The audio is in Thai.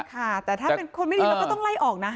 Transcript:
ค่ะแต่ถ้าเป็นคนไม่ดีเราก็ต้องไล่ออกนะ